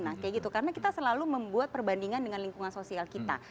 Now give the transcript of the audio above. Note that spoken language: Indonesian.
nah kayak gitu karena kita selalu membuat perbandingan dengan lingkungan sosial kita